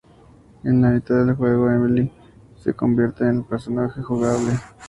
En la mitad del juego, Emilie se convierte en el personaje jugable.